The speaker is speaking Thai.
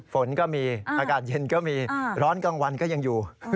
ฝนก็มีอากาศเย็นก็มีร้อนกลางวันก็ยังอยู่